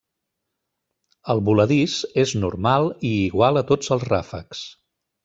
El voladís és normal i igual a tots els ràfecs.